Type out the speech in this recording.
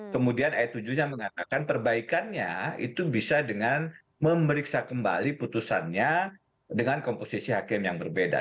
tujuhnya mengatakan perbaikannya itu bisa dengan memeriksa kembali putusannya dengan komposisi hakim yang berbeda